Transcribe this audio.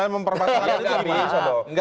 mempermasalahkan itu gimana